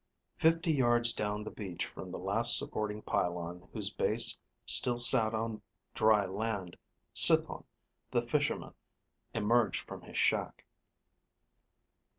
Fifty yards down the beach from the last supporting pylon whose base still sat on dry land, Cithon, the fisherman, emerged from his shack.